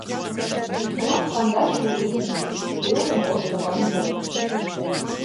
Мылам кандашлу ий, йолын коштын ом керт.